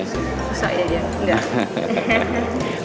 susah ya ibu